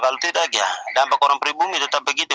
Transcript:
kalau tidak ya dampak orang pribumi tetap begitu